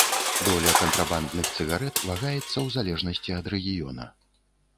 Доля кантрабандных цыгарэт вагаецца ў залежнасці ад рэгіёна.